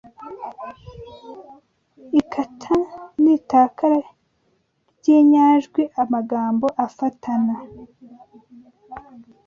Ikata n’itakara ry’inyajwi amagambo afatana